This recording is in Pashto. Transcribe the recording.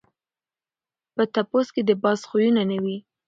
په ټپوس کي د باز خویونه نه وي.